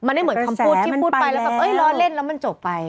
มันไม่เหมือนคำพูดที่พูดไปแล้วแบบเอ้ยล้อเล่นแล้วมันจบไป